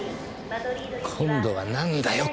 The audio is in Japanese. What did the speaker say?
今度は何だよ